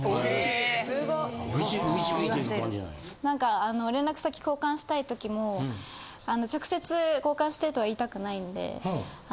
何か連絡先交換したい時も直接交換してとは言いたくないんで。